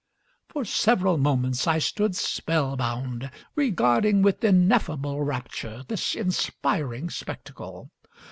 For several moments I stood spellbound, regarding with ineffable rapture this inspiring spectacle.